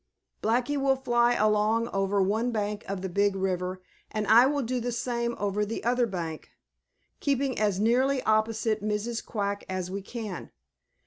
Blacky will fly along over one bank of the Big River, and I will do the same over the other bank, keeping as nearly opposite Mrs. Quack as we can.